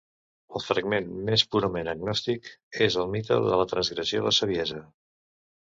El fragment més purament gnòstic és el mite de la transgressió de Saviesa.